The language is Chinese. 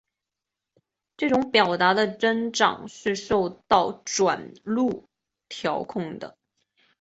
这种表达的增长是受到转录调控的。